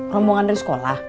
rombongan dari sekolah